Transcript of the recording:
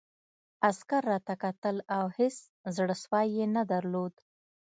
عسکر راته کتل او هېڅ زړه سوی یې نه درلود